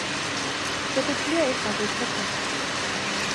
შეგვიძლია ეს აღვიქვათ ასე.